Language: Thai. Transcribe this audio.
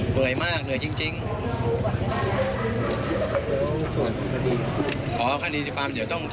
เหนื่อยมากเหนื่อยจริง